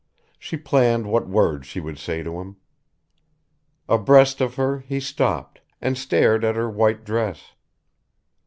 She planned what words she would say to him. Abreast of her he stopped, and stared at her white dress.